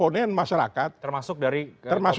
untuk berra decoro